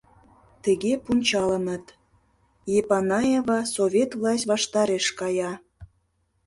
Тыге пунчалыныт: Эпанаева Совет власть ваштареш кая.